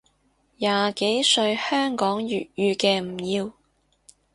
廿幾歲香港粵語嘅唔要